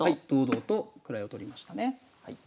はい堂々と位を取りましたね。